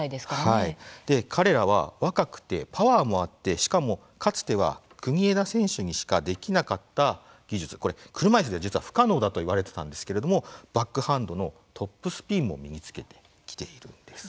彼らは若くてパワーもあってしかも、かつては国枝選手にしかできなかった技術車いすで実は不可能だといわれてたんですけれどもバックハンドのトップスピンも身につけてきているんです。